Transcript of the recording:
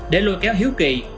để lôi kéo hiếu kỳ